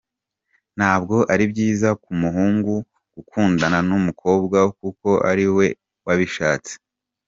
Ntabwo ari byiza ku muhungu gukundana n’ umukobwa kuko ari we wabishatse.